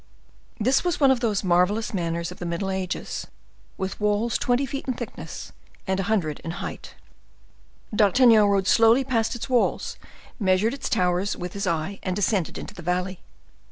This was one of those marvelous manors of the middle ages, with walls twenty feet in thickness, and a hundred in height. D'Artagnan rode slowly past its walls, measured its towers with his eye and descended into the valley.